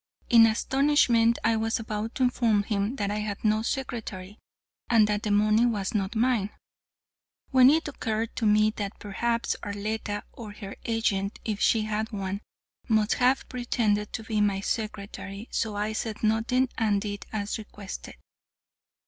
In astonishment I was about to inform him that I had no secretary, and that the money was not mine, when it occurred to me that perhaps Arletta, or her agent, if she had one, must have pretended to be my secretary. So I said nothing and did as requested.